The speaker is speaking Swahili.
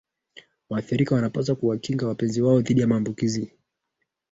waathirika wanapaswa kuwakinga wapenzi wao dhidi ya maambukizo